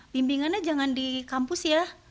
bimbingannya jangan di kampus ya